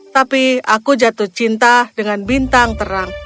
tapi aku jatuh cinta dengan bintang terang